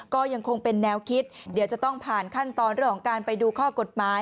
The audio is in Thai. ก็ยังคงเป็นแนวคิดเดี๋ยวจะต้องผ่านขั้นตอนเรื่องของการไปดูข้อกฎหมาย